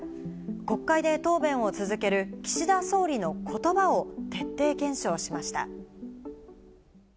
国会で答弁を続ける岸田総理のコトバを徹底検証しました。